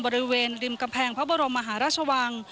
บริเวณริมกำแพงพระบรมมหาราชวัง